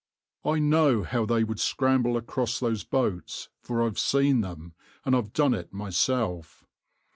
I know how they would scramble across those boats, for I've seen them, and I've done it myself.